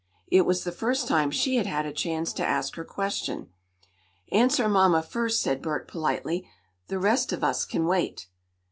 It was the first time she had had a chance to ask her question. "Answer mamma first," said Bert politely. "The rest of us can wait."